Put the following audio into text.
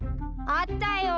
あったよ！！